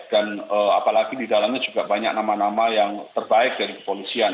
dan apalagi di dalamnya juga banyak nama nama yang terbaik dari kepolisian